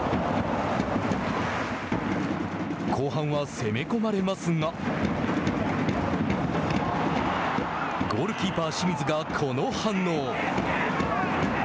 後半は攻め込まれますがゴールキーパー清水がこの反応。